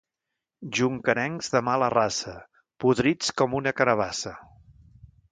Jonquerencs de mala raça, podrits com una carabassa.